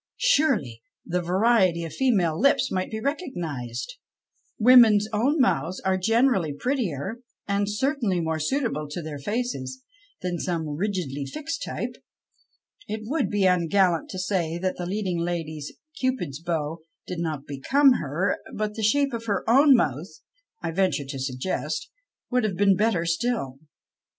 Surely the variety of female lips might be recognized ! Women's own mouths are generally prettier, and certainly more suitable to their faces, than some rigidly fixed type. It would be ungallant to say that the leading lady's " Cupid's bow " did not become her, but the shape of her own mouth, I venture to suggest, would have been better still.